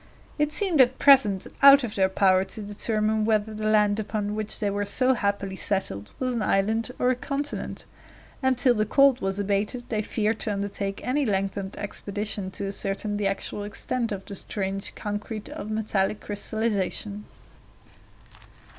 It seemed at present out of their power to determine whether the land upon which they were so happily settled was an island or a continent, and till the cold was abated they feared to undertake any lengthened expedition to ascertain the actual extent of the strange concrete of metallic crystallization.